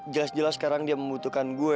jelas jelas sekarang dia membutuhkan gue